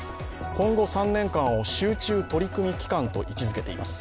今後３年間を集中取り組み期間と位置づけています。